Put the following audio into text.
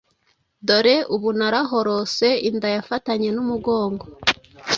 dore ubu narahorose inda yafatanye n’umugongo